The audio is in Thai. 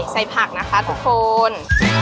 ใส่ผักนะคะทุกคน